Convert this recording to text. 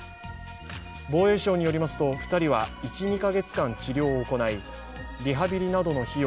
防衛省によりますと、２人は１２か月間、治療を行いリハビリなどの費用